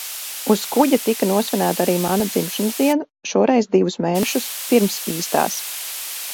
Uz kuģa tika nosvinēta arī mana dzimšanas diena, šoreiz divus mēnešus pirms īstās.